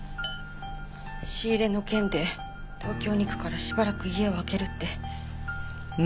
仕入れの件で東京に行くからしばらく家を空けるって。